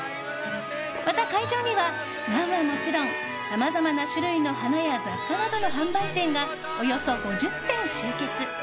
また会場にはランはもちろんさまざまな種類の花や雑貨などの販売店がおよそ５０店集結。